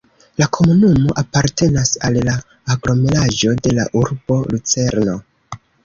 La komunumo apartenas al la aglomeraĵo de la urbo Lucerno.